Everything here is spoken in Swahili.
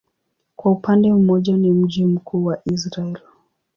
Kwa upande mmoja ni mji mkuu wa Israel.